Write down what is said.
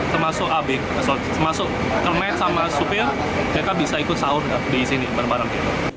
termasuk abk masuk kermen sama supir mereka bisa ikut sahur di sini bareng bareng